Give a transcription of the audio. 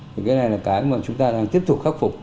thì cái này là cái mà chúng ta đang tiếp tục khắc phục